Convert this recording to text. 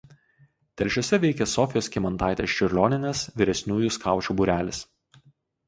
Telšiuose veikia Sofijos Kymantaitės Čiurlionienės vyresniųjų skaučių būrelis.